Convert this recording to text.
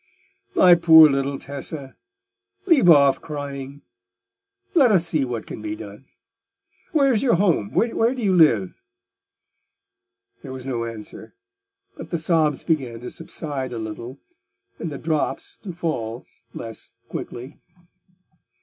"My poor little Tessa! leave off crying. Let us see what can be done. Where is your home—where do you live?" There was no answer, but the sobs began to subside a little and the drops to fall less quickly.